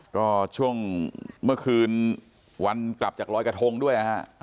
ก็ช่วงเมื่อคืนวันกลับจากรอยกระทงด้วยนะฮะ